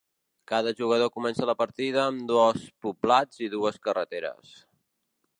Cada jugador comença la partida amb dos poblats i dues carreteres.